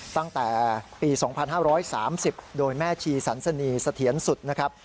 ตั้งแต่ปี๒๕๓๐โดยแม่ชีสันสนีเสถียรสุดนะครับ